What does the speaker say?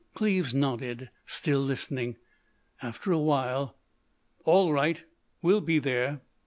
Cleves nodded, still listening. After a while: "All right. We'll be there.